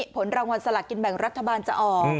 ผลรางวัลสลากกินแบ่งรัฐบาลจะออก